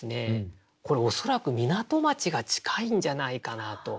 これ恐らく港町が近いんじゃないかなと。